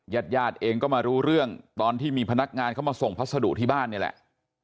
ญาติญาติเองก็มารู้เรื่องตอนที่มีพนักงานเข้ามาส่งพัสดุที่บ้านนี่แหละ